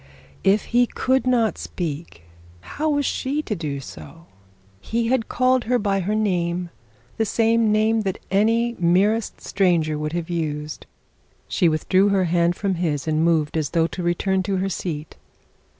If he could not speak, how was she to do so? He had called her by her name, the same name that any merest stranger would have used! She withdrew her hand from his, and moved as though to return to her seat.